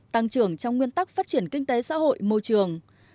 tăng trưởng trong nguyên tắc phát triển kinh tế xã hội môi trường